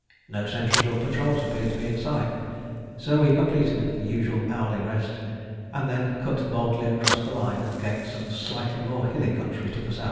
No sentries or patrols appeared to be in sight, so we completed the usual hourly rest and then cut boldly across the line and gained some slightly more hilly country to the S.E.